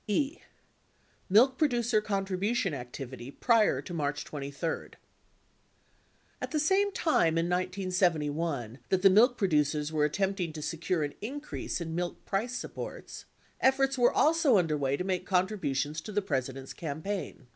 68 E. Milk Producer Contribution Activity Prior to March 23 At the same time in 1971 that the milk producers were attempting to secure an increase in milk price supports, efforts were also underway to make contributions to the President's campaign.